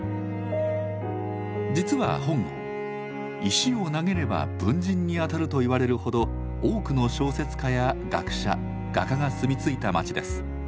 実は本郷「石を投げれば文人に当たる」と言われるほど多くの小説家や学者画家が住み着いた町です。